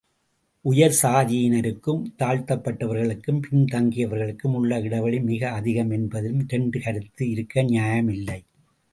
உயர் சாதியினருக்குத் தாழ்த்தப்பட்டவர்களுக்கும் பின் தங்கியவர்களுக்கும் உள்ள இடைவெளி மிக அதிகம் என்பதிலும் இரண்டு கருத்து இருக்க நியாயமில்லை.